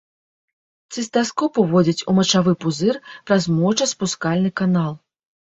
Цыстаскоп уводзяць у мачавы пузыр праз мочаспускальны канал.